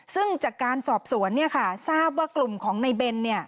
ซึ่งจากการสอบสวนทราบว่ากลุ่มของในเบน